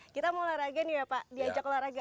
kita mau olahraga nih ya pak diajak olahraga